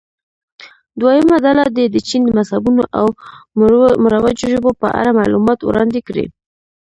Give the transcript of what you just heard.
دویمه ډله دې د چین مذهبونو او مروجو ژبو په اړه معلومات وړاندې کړي.